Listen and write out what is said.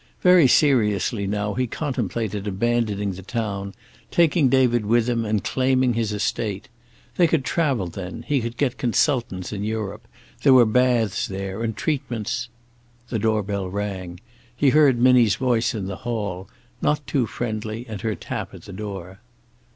Very seriously now he contemplated abandoning the town, taking David with him, and claiming his estate. They could travel then; he could get consultants in Europe; there were baths there, and treatments The doorbell rang. He heard Minnie's voice in the hail, not too friendly, and her tap at the door.